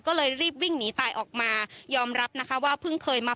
ก็เลยรีบวิ่งหนีตายออกมายอมรับนะคะว่าเพิ่งเคยมา